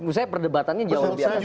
menurut saya perdebatannya jauh lebih atas